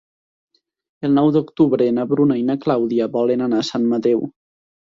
El nou d'octubre na Bruna i na Clàudia volen anar a Sant Mateu.